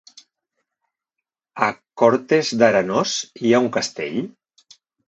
A Cortes d'Arenós hi ha un castell?